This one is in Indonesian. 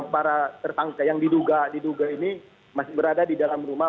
karena yang diduga ini masih berada di dalam rumah